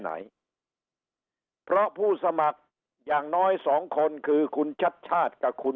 ไหนเพราะผู้สมัครอย่างน้อยสองคนคือคุณชัดชาติกับคุณ